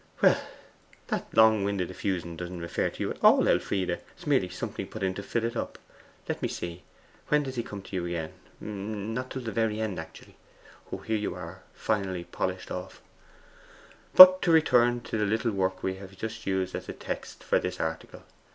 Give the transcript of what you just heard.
Well, that long winded effusion doesn't refer to you at all, Elfride, merely something put in to fill up. Let me see, when does he come to you again;...not till the very end, actually. Here you are finally polished off: '"But to return to the little work we have used as the text of this article.